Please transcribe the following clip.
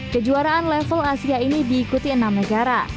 kejuaraan level asia ini diikuti enam negara